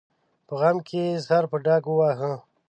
په غم کې یې سر په ډاګ وواهه.